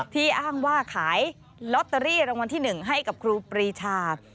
อ้างว่าขายลอตเตอรี่รางวัลที่๑ให้กับครูปรีชา